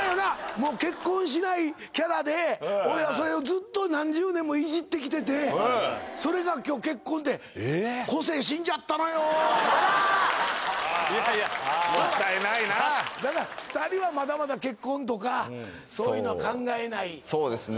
もう結婚しないキャラで俺はそれをずっと何十年もイジってきててそれが今日結婚ってええいやいやもったいないな２人はまだまだ結婚とかそういうのは考えないそうですね